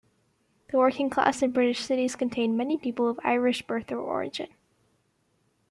The working class in British cities contained many people of Irish birth or origin.